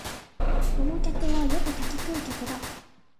この客はよく柿食う客だ